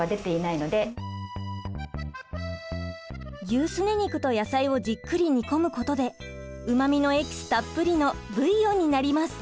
牛すね肉と野菜をじっくり煮込むことでうまみのエキスたっぷりのブイヨンになります。